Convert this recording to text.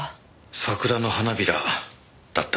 桜の花びらだった。